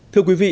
thưa quý vị